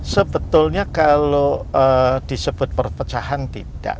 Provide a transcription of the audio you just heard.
sebetulnya kalau disebut perpecahan tidak